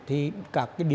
thì các địa phương